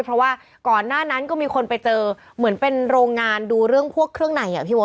เพราะว่าก่อนหน้านั้นก็มีคนไปเจอเหมือนเป็นโรงงานดูเรื่องพวกเครื่องในอ่ะพี่โว